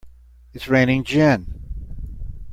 It's raining gin!